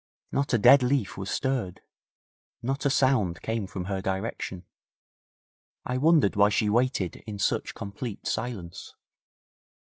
Not a dead leaf was stirred; not a sound came from her direction. I wondered why she waited in such complete silence.